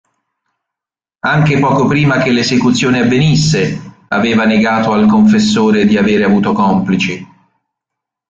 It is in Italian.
Anche poco prima che l'esecuzione avvenisse, aveva negato al confessore di avere avuto complici.